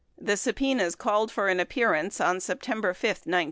The subpenas called for an appearance on September 5, 1973.